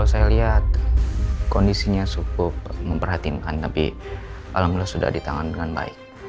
saya lihat kondisinya cukup memperhatinkan tapi alhamdulillah sudah ditangan dengan baik